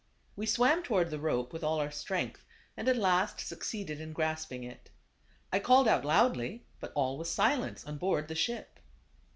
We swam toward the rope with all our strength, and at last succeeded in grasping it. I called out loudly, but all was silence on board the ship.